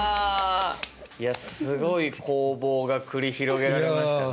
いやすごい攻防が繰り広げられましたね。